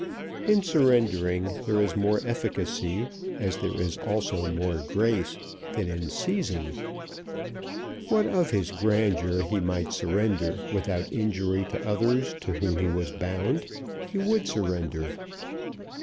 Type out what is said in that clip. In surrendering there is more efficacy, as there is also more grace, than in seizing. What of his grandeur he might surrender without injury to others to whom he was bound, he would surrender.